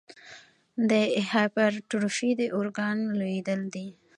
د هایپرټروفي د ارګان لویېدل دي.